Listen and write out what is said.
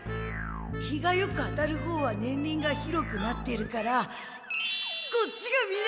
日がよく当たるほうは年輪が広くなっているからこっちが南！